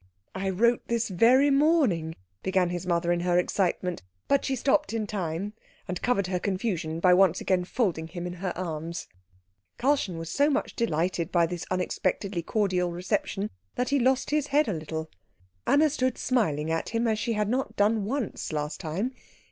"I wrote this very morning " began his mother in her excitement; but she stopped in time, and covered her confusion by once again folding him in her arms. Karlchen was so much delighted by this unexpectedly cordial reception that he lost his head a little. Anna stood smiling at him as she had not done once last time.